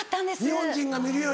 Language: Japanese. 日本人が見るより。